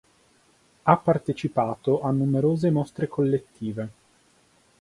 Ha partecipato a numerose mostre collettive.